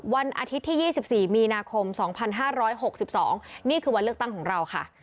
วันอาทิตย์ที่๒๔มีนาคม๒๕๖๒นี่คือวันเลือกตั้งของเราค่ะ